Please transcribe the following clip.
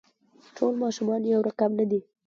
ټول ماشومان يو رقم نه دي.